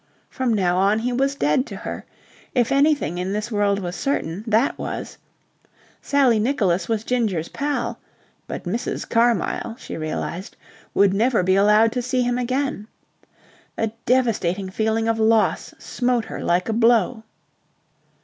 From now on he was dead to her. If anything in this world was certain that was. Sally Nicholas was Ginger's pal, but Mrs. Carmyle, she realized, would never be allowed to see him again. A devastating feeling of loss smote her like a blow.